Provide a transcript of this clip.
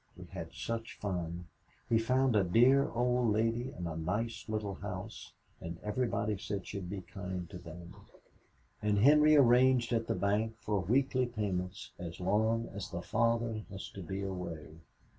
We had such fun! He found a dear old lady in a nice little house, and everybody said she'd be kind to them, and Henry arranged at the bank for weekly payments as long as the father has to be away.